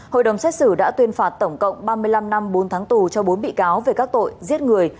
hội đồng xét xử đã tuyên phạt tổng cộng ba mươi năm năm bốn tháng tù cho bốn bị cáo về các tội giết người